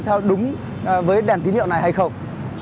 theo đúng với đèn tín hiệu này hay không